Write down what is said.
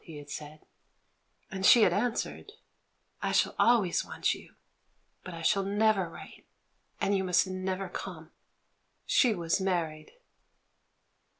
he had said; and she had answered, "I shall always want you, but I shall never wTite, and you must never come." She was married.